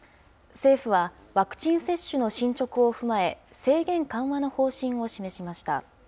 政府はワクチン接種の進捗を踏まえ、制限緩和の方針を示しました。